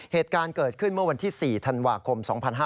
เหตุการณ์เกิดขึ้นเมื่อวันที่๔ธันวาคม๒๕๕๙